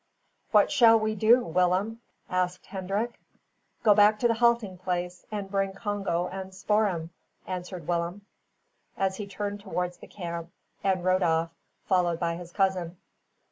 "What shall we do, Willem?" asked Hendrik. "Go back to the halting place and bring Congo and Spoor'em," answered Willem, as he turned towards the camp, and rode off, followed by his cousin.